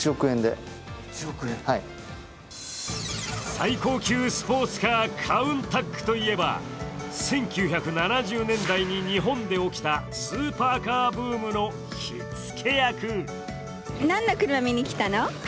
最高級スポーツカー、カウンタックといえば、１９７０年代に日本で起きたスーパーカーブームの火つけ役。